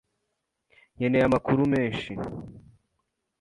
Nkeneye amakuru menshi.